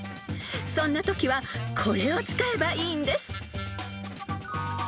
［そんなときはこれを使えばいいんです］